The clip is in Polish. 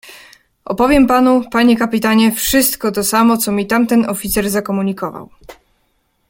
"Opowiem panu, panie kapitanie, wszystko to samo, co mi tamten oficer zakomunikował."